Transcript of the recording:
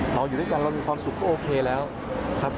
เราอยู่ด้วยกันเรามีความสุขก็โอเคแล้วครับ